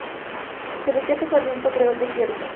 Se decía que su aliento creó el desierto.